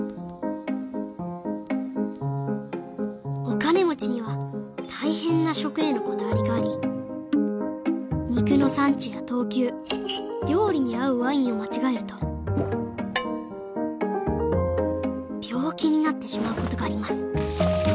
お金持ちには大変な食へのこだわりがあり肉の産地や等級料理に合うワインを間違えると病気になってしまうことがあります